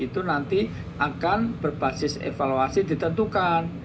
jadi akan berbasis evaluasi ditentukan